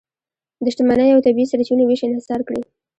د شتمنۍ او طبیعي سرچینو وېش انحصار کړي.